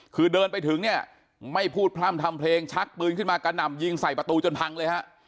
คือเดินไปถึงเนี่ยไม่พูดพร่ำทำเพลงชักปืนขึ้นมากระหน่ำยิงใส่ประตูจนพังเลยฮะ